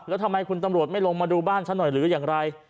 แล้วทำไมคุณตำรวจไม่ลงมาดูบ้านฉันหน่อยหรืออย่างไร